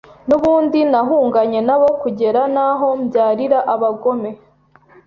nubundi nahunganye nabo kugera naho mbyarira abagome.